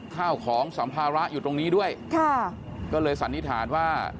ข้าวของสัมภาระอยู่ตรงนี้ด้วยค่ะก็เลยสันนิษฐานว่า